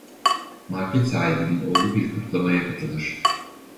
Market sahibinin oğlu bir kutlamaya katılır.